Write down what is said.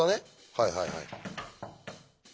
はいはいはい。